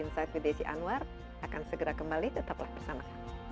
insight with desi anwar akan segera kembali tetaplah bersama kami